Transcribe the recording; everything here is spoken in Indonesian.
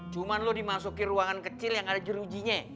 cuma lo dimasuki ruangan kecil yang ada jerujinya